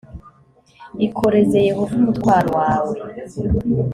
ikoreze yehova umutwaro wawe